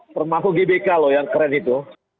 pernah aku gbk loh yang keren itu